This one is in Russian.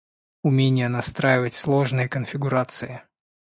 Умение настраивать сложные конфигурации